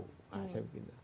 nah saya pikir